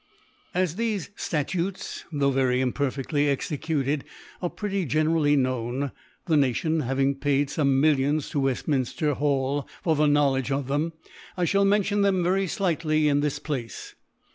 As thefc Statutes, tho* very imperfcAly executed, are pretty generally known, fthe Nation having paid fome Millions to fVefi^ minfier^Hall for their Knowledge of them) I ihall mention them very flightly in this Place.